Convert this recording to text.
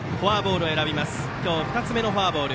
今日２つ目のフォアボール。